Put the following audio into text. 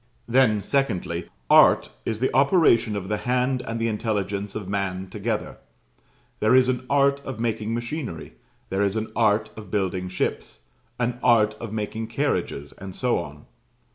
Then, secondly, ART is the operation of the hand and the intelligence of man together; there is an art of making machinery; there is an art of building ships; an art of making carriages; and so on.